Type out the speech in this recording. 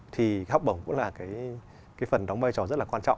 thì học bổng cũng là cái phần đóng vai trò rất là quan trọng